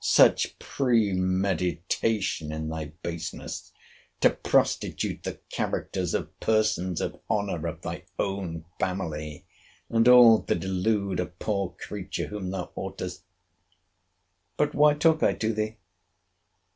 Such premeditation is thy baseness! To prostitute the characters of persons of honour of thy own family—and all to delude a poor creature, whom thou oughtest—But why talk I to thee?